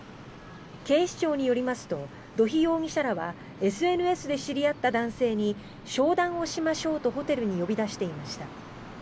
警視庁によりますと土肥容疑者らはＳＮＳで知り合った男性に商談をしましょうとホテルに呼び出していました。